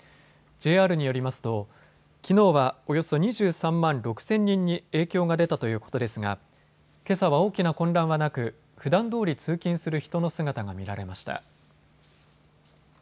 ＪＲによりますときのうはおよそ２３万６０００人に影響が出たということですがけさは大きな混乱はなくふだんどおり通勤する人の姿が見られました。